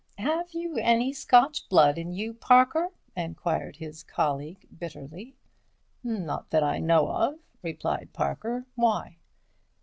"Have you any Scotch blood in you, Parker?" enquired his colleague, bitterly. "Not that I know of," replied Parker. "Why?"